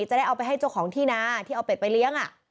จะได้เอาไปให้เจ้าของที่นาที่เอาเป็ดไปเลี้ยง